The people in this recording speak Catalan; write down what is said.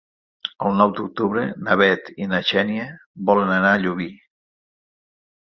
El nou d'octubre na Bet i na Xènia volen anar a Llubí.